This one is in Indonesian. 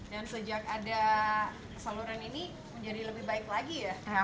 dan sejak ada saluran ini menjadi lebih baik lagi ya